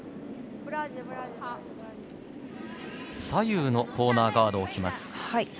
左右、コーナーガードを置きます。